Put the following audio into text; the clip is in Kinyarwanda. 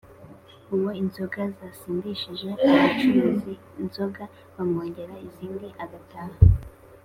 uwo inzoga zasindishije abacuruza inzoga bamwongera izindi agataha